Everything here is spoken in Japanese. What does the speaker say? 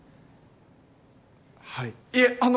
はいいえあの！